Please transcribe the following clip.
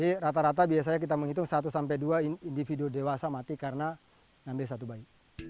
jadi rata rata biasanya kita menghitung satu dua individu dewasa mati karena mengambil satu bayi